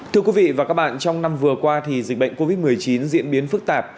thưa quý vị và các bạn trong năm vừa qua thì dịch bệnh covid một mươi chín diễn biến phức tạp